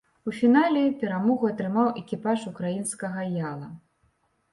У фінале перамогу атрымаў экіпаж украінскага яла.